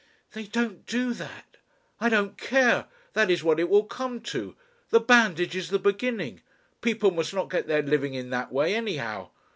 "They don't do that!" "I don't care! that is what it will come to. The bandage is the beginning. People must not get their living in that way anyhow.